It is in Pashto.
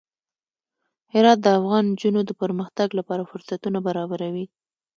هرات د افغان نجونو د پرمختګ لپاره فرصتونه برابروي.